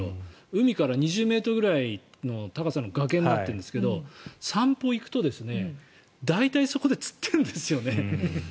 海から２０ｍくらいの高さの崖になってるんですけど散歩に行くと大体そこで釣ってるんですよね。